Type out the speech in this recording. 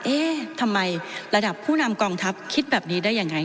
เอ๊ะทำไมระดับผู้นำกองทัพคิดแบบนี้ได้ยังไง